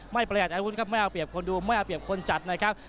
ประหยัดอาวุธครับไม่เอาเปรียบคนดูไม่เอาเปรียบคนจัดนะครับ